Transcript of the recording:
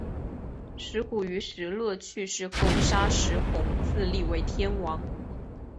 石虎于石勒去世后杀石弘自立为天王。